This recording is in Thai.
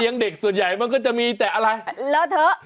เด็กส่วนใหญ่มันก็จะมีแต่อะไรแล้วเถอะ